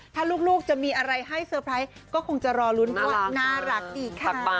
ถ้าลูกจะมีอะไรให้เตอร์ไพรส์ก็คงจะรอลุ้นเพราะว่าน่ารักดีค่ะ